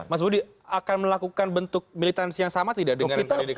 mas budi akan melakukan bentuk militansi yang sama tidak